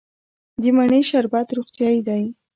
د مڼې شربت روغتیایی دی.